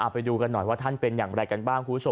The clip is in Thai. ไปดูกันหน่อยว่าท่านเป็นอย่างไรกันบ้างคุณผู้ชม